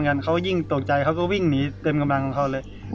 เค้ายิ่งตกใจเค้าก็วิ่งหนีเต็มกำลังเลย